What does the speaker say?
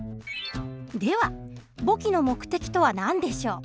では簿記の目的とは何でしょう。